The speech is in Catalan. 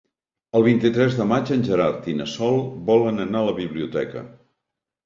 El vint-i-tres de maig en Gerard i na Sol volen anar a la biblioteca.